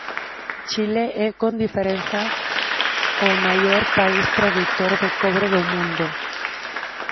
Chile é, con diferenza, o maior país produtor de cobre do mundo.